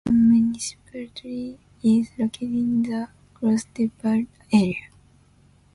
The municipality is located in the Gros-de-Vaud area.